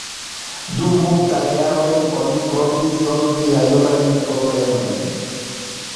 Dum multaj jaroj oni provis solvi la jurajn problemojn.